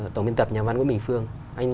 tổng biên tập nhà văn của mình phương